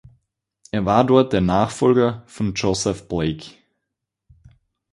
Er war dort der Nachfolger von Joseph Blake.